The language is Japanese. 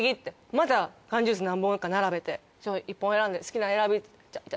また缶ジュース何本か並べて「１本選んで好きなん選び」って。